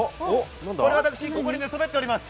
これ私、ここに寝そべっております。